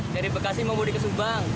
dari bekasi memudik ke subang